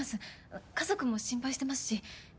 あっ家族も心配してますし。